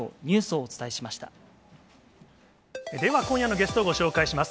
では今夜のゲストをご紹介します。